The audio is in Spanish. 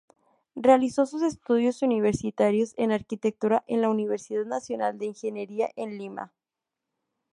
Realizó sus estudios universitarios en arquitectura en la Universidad Nacional de Ingeniería en Lima.